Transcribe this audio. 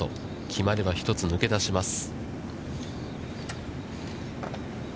決まれば１つ抜け出します。